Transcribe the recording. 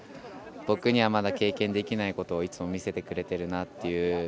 僕にはまだ経験できないことをいつも見せてくれてるなという。